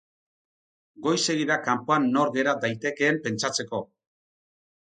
Goizegi da kanpoan nor gera daitekeen pentsatzeko.